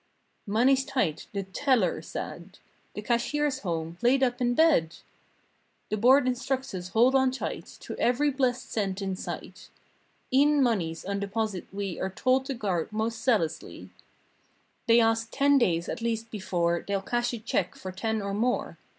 "Money's tight!" the teller said. "The cashier's home—laid up in bed!!" "The Board instructs us hold on tight To every blessed cent in sight. E'en monies on deposit we Are told to guard most zealously. 243 They ask ten days at least before They'll cash a check for ten or more.